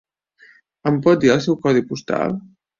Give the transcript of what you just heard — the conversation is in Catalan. Em pot dir el seu codi postal?